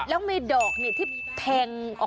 แล้วมีดอกที่แทงออก